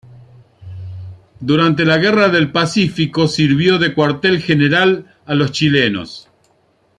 Durante la Guerra del Pacífico sirvió de cuartel general a los chilenos.